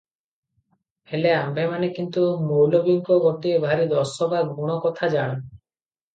ହେଲେ ଆମ୍ଭେମାନେ କିନ୍ତୁ ମୌଲବୀଙ୍କ ଗୋଟାଏ ଭାରି ଦୋଷ ବା ଗୁଣ କଥା ଜାଣୁ